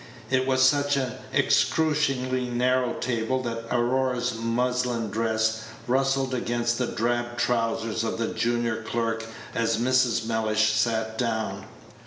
It was such an excruciatingly narrow table that Aurora's muslin dress rustled against the drab trowsers of the junior clerk as Mrs. Mellish sat down.